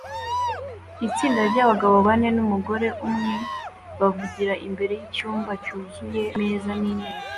Itsinda ryabagabo bane numugore umwe bavugira imbere yicyumba cyuzuye ameza nintebe